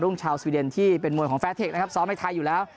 ่งชาวสวีเดนที่เป็นมวยของแฟร์เทคนะครับซ้อมในไทยอยู่แล้ว